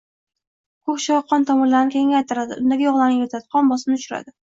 Ko‘k choy qon tomirlarini kengaytiradi, undagi yog‘larni eritadi, qon bosimini tushiradi.